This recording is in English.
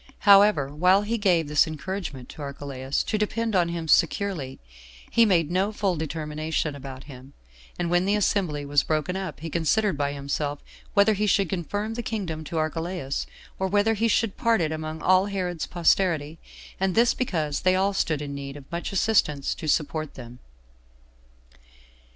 However, while he gave this encouragement to Archelaus to depend on him securely, he made no full determination about him; and when the assembly was broken up, he considered by himself whether he should confirm the kingdom to Archelaus, or whether he should part it among all Herod's posterity; and this because they all stood in need of much assistance to support them.